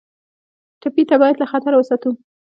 ټپي ته باید له خطره وساتو.